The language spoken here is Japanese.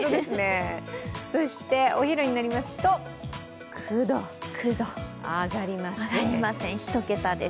そして、お昼になりますと９度、上がりません、１桁です。